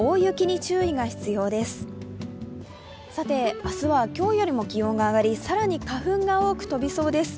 明日は今日よりも気温が上がり、更に花粉が多く飛びそうです。